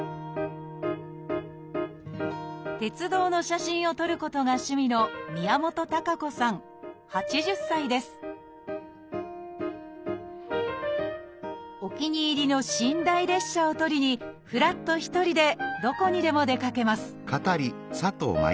鉄道の写真を撮ることが趣味のお気に入りの寝台列車を撮りにふらっと一人でどこにでも出かけます